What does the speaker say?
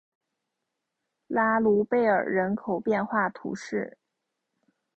拉卢贝尔人口变化图示